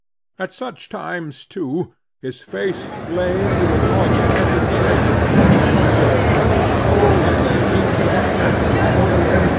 At such times, too, his face flamed with augmented blazonry, as if cannel coal had been heaped on anthracite.